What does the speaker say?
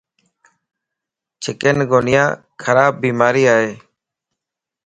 چڪن گونيا خراب بيماري ائي